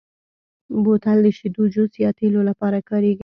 بوتل د شیدو، جوس، یا تېلو لپاره کارېږي.